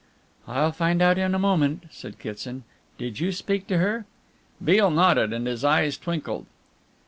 "I'll find out in a moment," said Kitson. "Did you speak to her?" Beale nodded, and his eyes twinkled.